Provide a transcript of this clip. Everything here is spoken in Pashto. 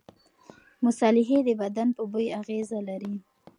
مصالحې د بدن په بوی اغېزه لري.